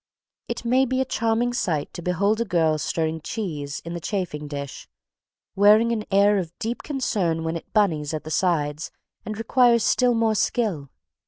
It may be a charming sight to behold a girl stirring cheese in the chafing dish, wearing an air of deep concern when it "bunnies" at the sides and requires still more skill.